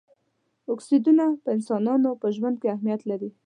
اکسایډونه په انسانانو په ژوند کې اهمیت لري.